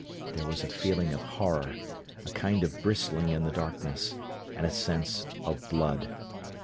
There was a feeling of horror, a kind of bristling in the darkness, and a sense of blood.